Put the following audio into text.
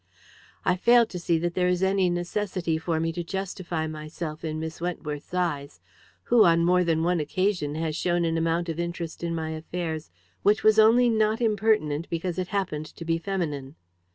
"I fail to see that there is any necessity for me to justify myself in Miss Wentworth's eyes, who, on more than one occasion, has shown an amount of interest in my affairs which was only not impertinent because it happened to be feminine.